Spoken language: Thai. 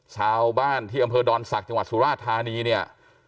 ชาวบ้านที่อำเภอดอนศักดิ์จังหวัดสุราธานีเนี่ย